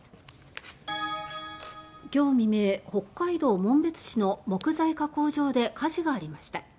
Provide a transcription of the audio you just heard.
今日未明北海道紋別市の木材加工場で火事がありました。